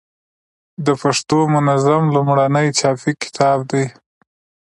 د پښتو منظم لومړنی چاپي کتاب دﺉ.